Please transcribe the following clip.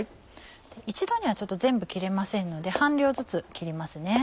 一度には全部切れませんので半量ずつ切りますね。